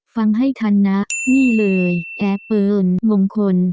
ฟังให้ทันนะนี่เลยแอร์เปิลมงคล